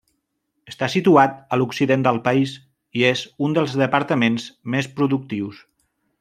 Està situat a l'occident del país, i és un dels departaments més productius.